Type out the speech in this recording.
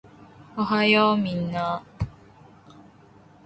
おはようみんなー